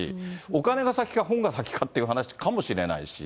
お金が先か本が先かっていう話かもしれないし。